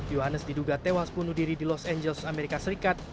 yohanes diduga tewas bunuh diri di los angeles amerika serikat